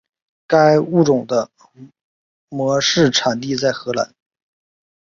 该物种的模式产地在荷兰。